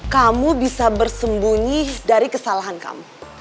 kamu bisa bersembunyi dari kesalahan kamu